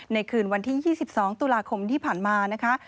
คืนวันที่๒๒ตุลาคมที่ผ่านมานะคะ